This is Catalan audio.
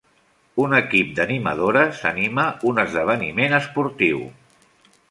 un equip d'animadores anima un esdeveniment esportiu.